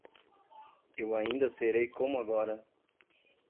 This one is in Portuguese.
Eu ainda serei como agora